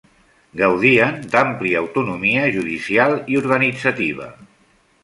Gaudien d'àmplia autonomia judicial i organitzativa.